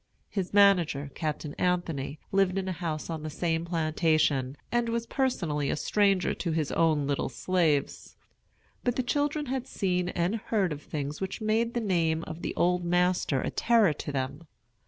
His manager, Captain Anthony, lived in a house on the same plantation, and was personally a stranger to his own little slaves. But the children had seen and heard of things which made the name of the "old master" a terror to them.